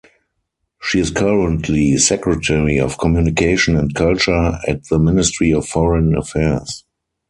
She is currently Secretary of Communication and Culture at the Ministry of Foreign Affairs.